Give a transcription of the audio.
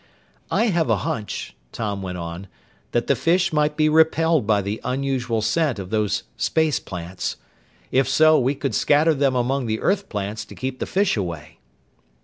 "I have a hunch," Tom went on, "that the fish might be repelled by the unusual scent of those space plants. If so, we could scatter them among the earth plants to keep the fish away."